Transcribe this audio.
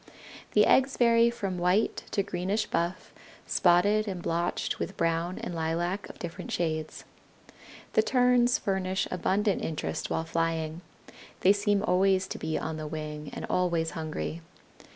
The eggs vary from white to greenish buff, spotted and blotched with brown and lilac of different shades. The Terns furnish abundant interest while flying. They seem always to be on the wing, and always hungry.